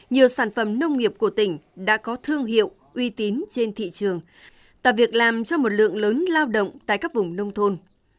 nhiều sản phẩm nông nghiệp của tỉnh đã có thương hiệu uy tín trên thị trường tạo việc làm cho một lượng lớn lao động tại các vùng nông thôn